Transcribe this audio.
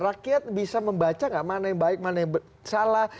rakyat bisa membaca enggak mana yang baik mana yang